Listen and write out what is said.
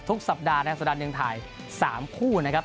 ทุกสัปดาห์ในสดันเรียงไทย๓คู่นะครับ